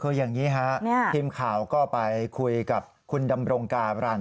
คืออย่างนี้ฮะทีมข่าวก็ไปคุยกับคุณดำรงการัน